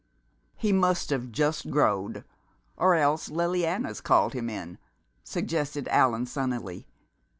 "He must have 'just growed,' or else Lily Anna's called him in," suggested Allan sunnily.